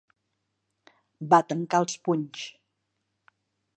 Va tancar els punys.